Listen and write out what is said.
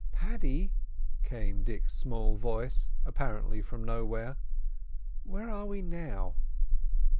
"Paddy," came Dick's small voice, apparently from nowhere, "where are we now?"